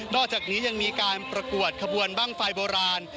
อกจากนี้ยังมีการประกวดขบวนบ้างไฟโบราณ